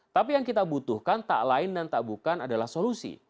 tapi yang kita butuhkan tak lain dan tak bukan adalah solusi